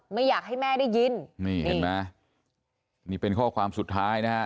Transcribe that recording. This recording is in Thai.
ไม่อยากให้แม่ได้ยินนี่เห็นไหมนี่เป็นข้อความสุดท้ายนะฮะ